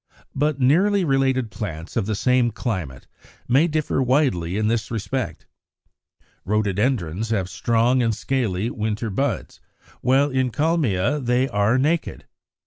But nearly related plants of the same climate may differ widely in this respect. Rhododendrons have strong and scaly winter buds; while in Kalmia they are naked.